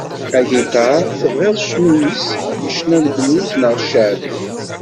Agiṭar, tebɣiḍ cnu yess ccna n blues neɣ ceɛbi.